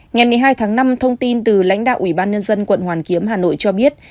ngày một mươi hai tháng năm thông tin từ lãnh đạo ủy ban nhân dân quận hoàn kiếm hà nội cho biết